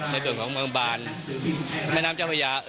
ในส่วนของเมืองบานแม่น้ำเจ้าพระยา